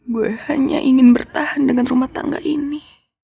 gue hanya ingin bertahan dengan rumah tangga ini